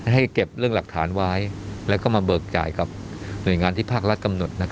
ให้เก็บเรื่องหลักฐานไว้แล้วก็มาเบิกจ่ายกับหน่วยงานที่ภาครัฐกำหนด